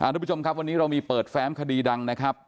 ทุกผู้ชมครับวันนี้เรามีเปิดแฟ้มคดีดังนะครับ